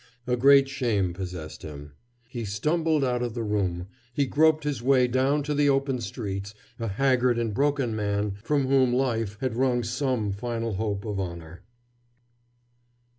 A great shame possessed him. He stumbled out of the room. He groped his way down to the open streets, a haggard and broken man from whom life had wrung some final hope of honor.